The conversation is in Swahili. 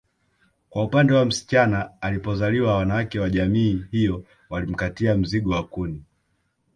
Kwa upande wa msichana alipozaliwa wanawake wa jamii hiyo walimkatia mzigo wa kuni